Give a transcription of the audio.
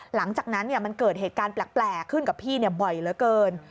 หลังจากนั้นมันเกิดเหตุการณ์แปลกขึ้นกับพี่บ่อยเหลือเกิน